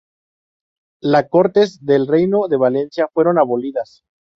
La Cortes del Reino de Valencia fueron abolidas.